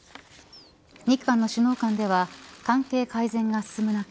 日韓の首脳間では関係改善が進む中